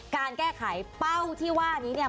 การแก้ไขเป้าที่ว่านี้เนี่ย